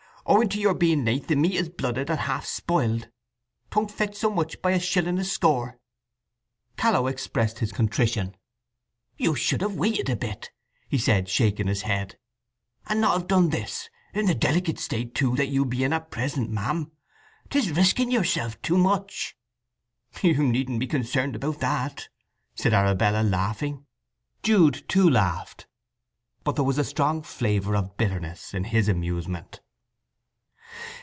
"Owing to your being late the meat is blooded and half spoiled! 'Twon't fetch so much by a shilling a score!" Challow expressed his contrition. "You should have waited a bit" he said, shaking his head, "and not have done this—in the delicate state, too, that you be in at present, ma'am. 'Tis risking yourself too much." "You needn't be concerned about that," said Arabella, laughing. Jude too laughed, but there was a strong flavour of bitterness in his amusement.